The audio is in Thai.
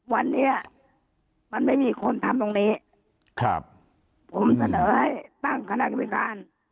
วันนี้มันไม่มีคนทำตรงนี้ครับผมเสนอให้ตั้งคณะกรรมการ